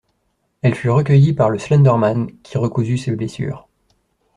Elle fut recueillie par le Slender Man qui recousu ses blessures.